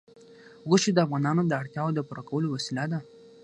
غوښې د افغانانو د اړتیاوو د پوره کولو وسیله ده.